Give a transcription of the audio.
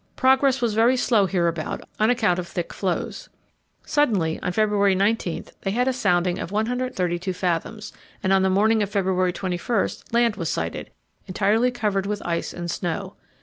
Progress was very slow hereabout on account of the thick floes. Suddenly, on February 19, they had a sounding of 132 fathoms, and on the morning of February 21 land was sighted, entirely covered with ice and snow.